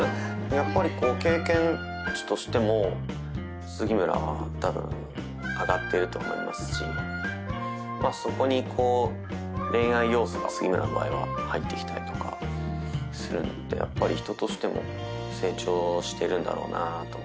やっぱりこう経験値としても杉村は多分上がってると思いますしまあそこに恋愛要素が杉村の場合は入ってきたりとかするのでやっぱり人としても成長してるんだろうなあと思って。